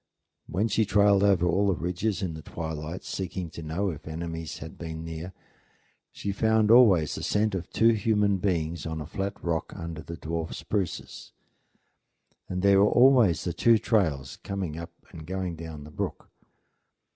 When she trailed over all the ridges in the twilight, seeking to know if enemies had been near, she found always the scent of two human beings on a flat rock under the dwarf spruces; and there were always the two trails coming up and going down the brook.